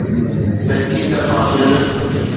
فيڪي طرفان بل